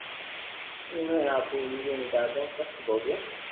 اوڻي آپري زندگي ۾ ڌاڌو ڪسٽ ڀوگيو